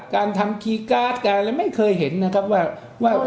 การทำคีย์การ์ดการอะไรไม่เคยเห็นนะครับว่า